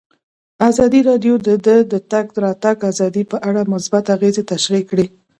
ازادي راډیو د د تګ راتګ ازادي په اړه مثبت اغېزې تشریح کړي.